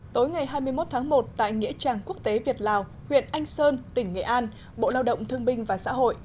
tối ngày hai mươi một tháng một tại nghĩa trang quốc tế việt lào huyện anh sơn tỉnh nghệ an bộ lao động thương binh và xã hội